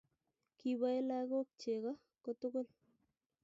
Kiboe lagook chego kotugul.